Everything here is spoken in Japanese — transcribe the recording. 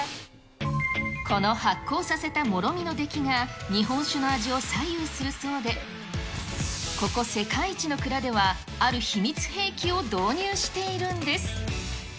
この発酵されたもろみの出来が、日本酒の味を左右するそうで、ここ世界一の蔵では、ある秘密兵器を導入しているんです。